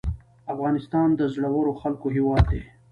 افغانستان د زړورو خلکو هیواد دی